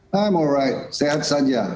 saya baik sehat saja